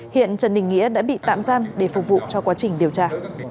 hiện trần đình nghĩa đã bị tạm giam để phục vụ cho quá trình điều tra